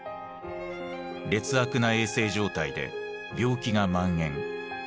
劣悪な衛生状態で病気が蔓延。